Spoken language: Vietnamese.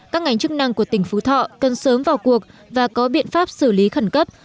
các ngành chức năng của tỉnh phú thọ cần sớm vào cuộc và có biện pháp xử lý khẩn cấp